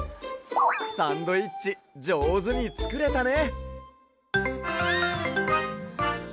サンドイッチじょうずにつくれたね。